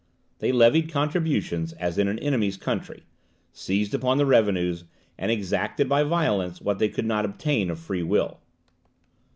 They levied contributions as in an enemy's country, seized upon the revenues, and exacted, by violence, what they could not obtain of free will.